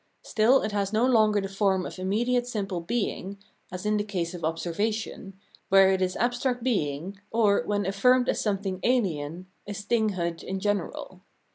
Still it has no longer the form of immediate simple heing as in the case of Observation, where it is abstract being, or, when affirmed as something ahen, is thinghood in general.